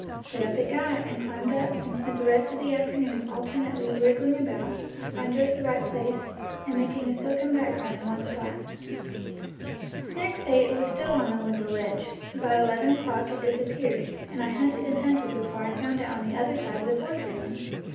But up it got, and climbed up, and spent the rest of the afternoon alternately wriggling about to find just the right place and making a silken background in one spot. The next day it was still on the window ledge. About eleven o'clock it disappeared, and I hunted and hunted before I found it on the under side of the porch railing!